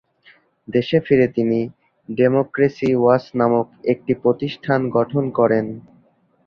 দেশে ফিরে তিনি ডেমোক্রেসি ওয়াচ নামক একটি প্রতিষ্ঠান গঠন করেন।